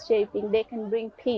dan menangkan itu